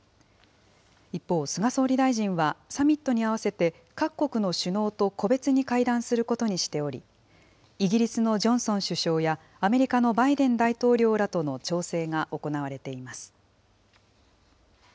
一方、菅総理大臣はサミットに合わせて各国の首脳と個別に会談することにしており、イギリスのジョンソン首相やアメリカのバイデン大統領らとの調整が行われています。